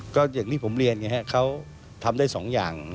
ก็อย่างที่ผมเรียนไงครับเขาทำได้สองอย่าง